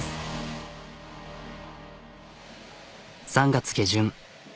３月下旬。